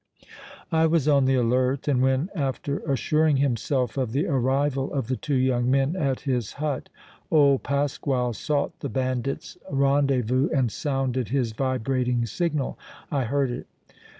"I was on the alert and when, after assuring himself of the arrival of the two young men at his hut, old Pasquale sought the bandits' rendezvous and sounded his vibrating signal, I heard it.